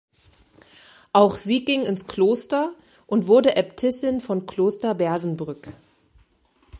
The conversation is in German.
Auch sie ging ins Kloster und wurde Äbtissin von Kloster Bersenbrück.